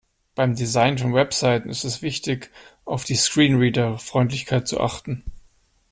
Beim Design von Webseiten ist es wichtig, auf die Screenreader-Freundlichkeit zu achten.